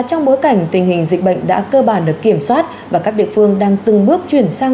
do ảnh hưởng liên tiếp với các lực lượng chức năng